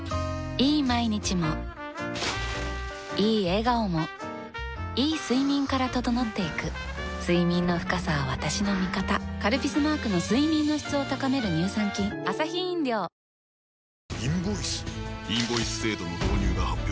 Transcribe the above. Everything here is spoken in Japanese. いい毎日もいい笑顔もいい睡眠から整っていく睡眠の深さは私の味方「カルピス」マークの睡眠の質を高める乳酸菌大きくなったチャーシューの麺屋こころ